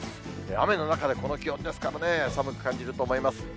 雨の中でこの気温ですからね、寒く感じると思います。